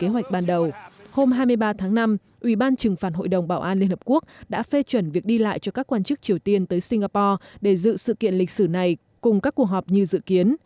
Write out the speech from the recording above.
hôm hai mươi ba tháng năm ủy ban trừng phản hội đồng bảo an liên hợp quốc đã phê chuẩn việc đi lại cho các quan chức triều tiên tới singapore để dự sự kiện lịch sử này cùng các cuộc họp như dự kiến